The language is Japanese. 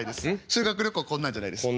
修学旅行こんなんじゃないです。